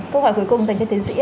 câu hỏi cuối cùng tên trên tiến sĩ